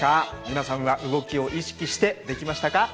皆さんは動きを意識してできましたか？